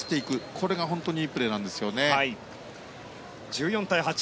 これが本当にいいプレーなんですよね。